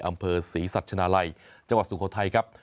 อำเภอศรีสัชนาลัยจังหวัดสุโขทัยครับ